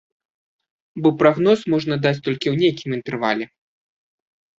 Бо прагноз можна даць толькі ў нейкім інтэрвале.